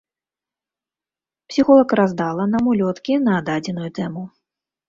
Псіхолаг раздала нам улёткі на дадзеную тэму.